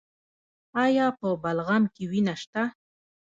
ایا په بلغم کې وینه شته؟